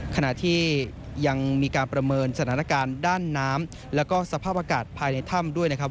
ขณะที่ยังมีการประเมินสถานการณ์ด้านน้ำแล้วก็สภาพอากาศภายในถ้ำด้วยนะครับ